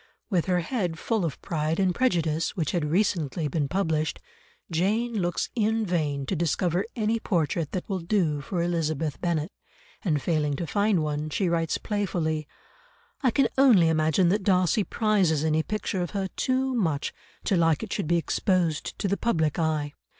With her head full of Pride and Prejudice, which had recently been published, Jane looks in vain to discover any portrait that will do for Elizabeth Bennet, and failing to find one, she writes playfully, "I can only imagine that Darcy prizes any picture of her too much to like it should be exposed to the public eye.